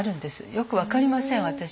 よく分かりません私には。